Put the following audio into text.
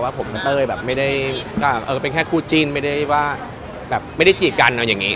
ผมกับเต้ยแบบไม่ได้เป็นแค่คู่จิ้นไม่ได้ว่าแบบไม่ได้จีบกันเอาอย่างนี้